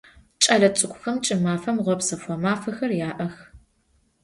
Ç'elets'ık'uxem ç'ımafem ğepsefığo mafexer ya'ex.